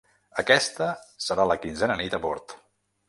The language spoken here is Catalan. Aquesta serà la quinzena nit a bord.